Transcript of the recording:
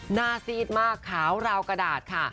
ซีดมากขาวราวกระดาษค่ะ